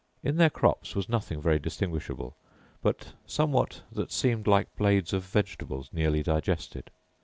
In their crops was nothing very distinguishable, but somewhat that seemed like blades of vegetables nearly digested.